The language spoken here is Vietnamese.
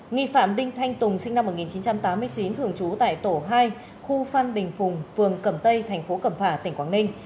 nghi phạm đinh thanh tùng sinh năm một nghìn chín trăm tám mươi chín thường trú tại tổ hai khu phan đình phùng phường cẩm tây thành phố cẩm phả tỉnh quảng ninh